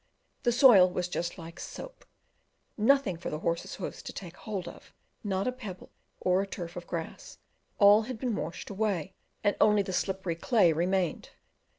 The soil was just like soap, nothing for the horses' hoofs to take hold of, not a pebble or a tuft of grass; all had been washed away, and only the slippery clay remained.